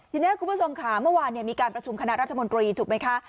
ทีนี้คุณผู้ชมค่ะเมื่อวานมีการประชุมคณะรัฐมนตรีถูกไหมคะ